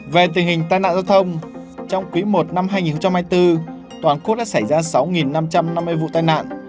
về tình hình tai nạn giao thông trong quý i năm hai nghìn hai mươi bốn toàn quốc đã xảy ra sáu năm trăm năm mươi vụ tai nạn